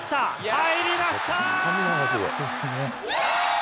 入りました。